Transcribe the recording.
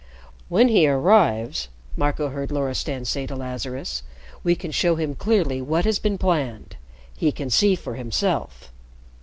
"When he arrives," Marco heard Loristan say to Lazarus, "we can show him clearly what has been planned. He can see for himself."